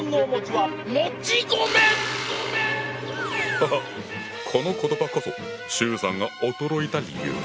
ハハッこの言葉こそ周さんが驚いた理由。